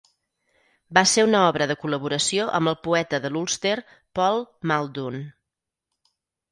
Va ser una obra de col·laboració amb el poeta de l'Ulster Paul Muldoon.